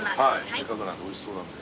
せっかくなんでおいしそうなんで。